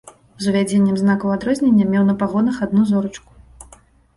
З увядзеннем знакаў адрознення меў на пагонах адну зорачку.